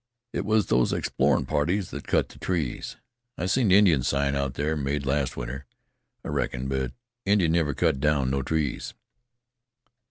It was those explorin' parties thet cut the trees. I seen Indian sign out there, made last winter, I reckon; but Indians never cut down no trees."